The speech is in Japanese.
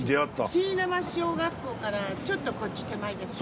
椎名町小学校からちょっとこっち手前ですよね。